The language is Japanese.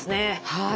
はい。